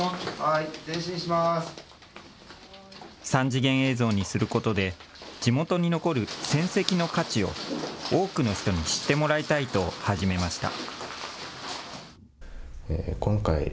３次元映像にすることで地元に残る戦跡の価値を多くの人に知ってもらいたいと始めました。